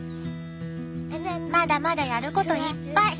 まだまだやることいっぱい。